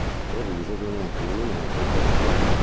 A Treviso viene anche nominato capitano.